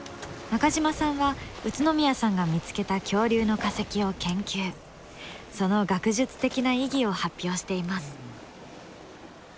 中島さんは宇都宮さんが見つけた恐竜の化石を研究その学術的な意義を発表しています。